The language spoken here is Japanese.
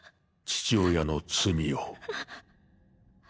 父親の罪を。